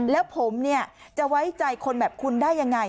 แล้วผมเนี่ยจะไว้ใจคนแบบคุณได้ยังไง